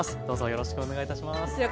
どうぞよろしくお願い致します。